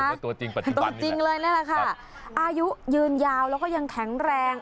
แล้วตัวจริงตัวจริงเลยนั่นแหละค่ะอายุยืนยาวแล้วก็ยังแข็งแรง